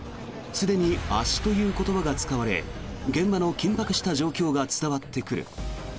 すでに圧死という言葉が使われ現場の緊迫した状況が伝わってくる。